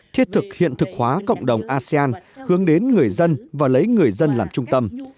thiết thực hiện thực hóa cộng đồng asean hướng đến người dân và lấy người dân làm trung tâm